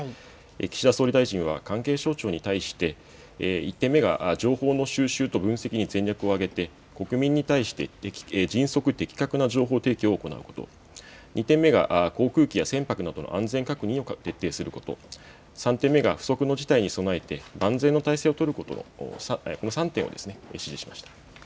岸田総理大臣は関係省庁に対して１点目が情報の収集と分析に全力を挙げて国民に対して迅速、的確な情報提供を行うこと、２点目が航空機や船舶などの安全確認を徹底すること、３点目が不測の事態に備えて万全の態勢を取ることこの３点を指示しました。